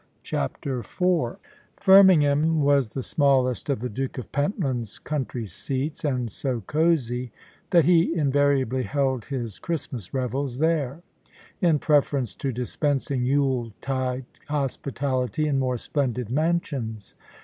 CHAPTER IV Firmingham was the smallest of the Duke of Pentland's country seats, and so cosy, that he invariably held his Christmas revels there, in preference to dispensing Yule tide hospitality in more splendid mansions.